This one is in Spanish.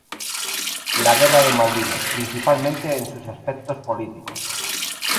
La Guerra de Malvinas, principalmente en sus aspectos políticos.